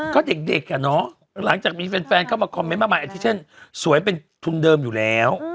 ก็เด็กอ่ะเนาะหลังจากมีแฟนเข้ามาคอมเม้นต์มาสวยเป็นทุนเดิมอยู่แล้ว